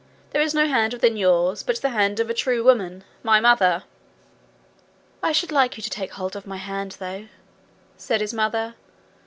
There is no hand within yours but the hand of a true woman, my mother.' 'I should like you just to take hold of my hand though,' said his mother.